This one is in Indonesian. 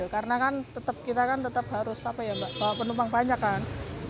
karena kita kan tetap harus bawa penumpang banyak kan